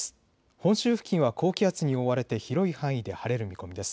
本州付近は高気圧に覆われて広い範囲で晴れる見込みです。